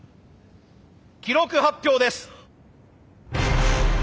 記録発表です。